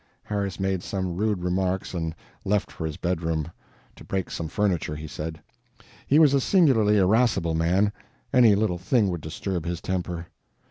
Harris made some rude remarks and left for his bedroom to break some furniture, he said. He was a singularly irascible man; any little thing would disturb his temper.